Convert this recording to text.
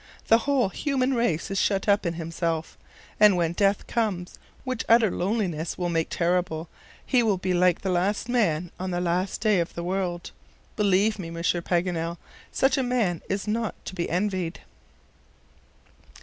The whole human race is shut up in himself, and when death comes, which utter loneliness will make terrible, he will be like the last man on the last day of the world. Believe me, Monsieur Paganel, such a man is not to be envied."